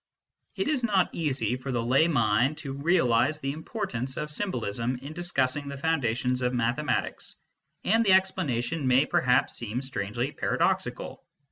It is not easy for the lay mind to realise the importance of symbolism in discussing the foundations of mathe matics, and the explanation may perhaps seem strangely paradoxical.